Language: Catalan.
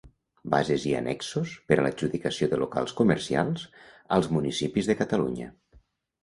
Bases i annexos per a l'adjudicació de locals comercials als municipis de Catalunya.